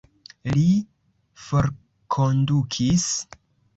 Li forkondukis?